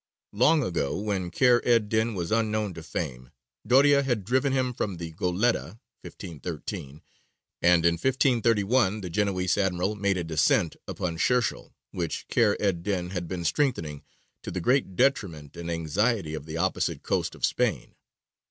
Long ago, when Kheyr ed dīn was unknown to fame, Doria had driven him from the Goletta (1513); and in 1531 the Genoese admiral made a descent upon Shershēl, which Kheyr ed dīn had been strengthening, to the great detriment and anxiety of the opposite coast of Spain.